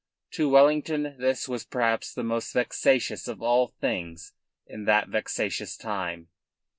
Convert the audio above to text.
To Wellington this was perhaps the most vexatious of all things in that vexatious time.